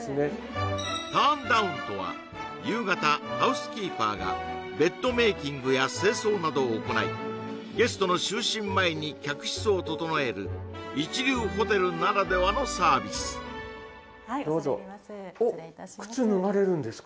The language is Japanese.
ターンダウンとは夕方ハウスキーパーがベッドメイキングや清掃などを行いゲストの就寝前に客室を整える一流ホテルならではのサービスはい恐れ入ります